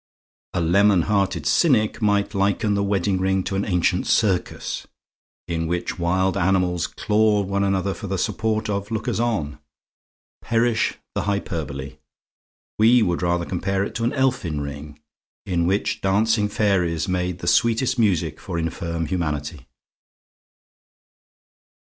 A lemon hearted cynic might liken the wedding ring to an ancient circus, in which wild animals clawed one another for the sport of lookers on. Perish the hyperbole! We would rather compare it to an elfin ring, in which dancing fairies made the sweetest music for infirm humanity.